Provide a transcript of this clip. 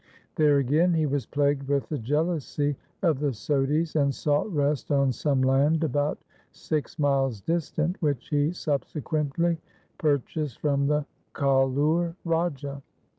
There again he was plagued with the jealousy of the Sodhis, and sought rest on some land about six miles distant, which he subsequently pur chased from the Kahlur Raja.